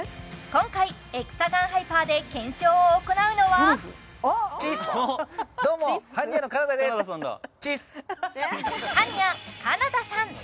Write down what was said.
今回エクサガンハイパーで検証を行うのはどうもはんにゃ金田さん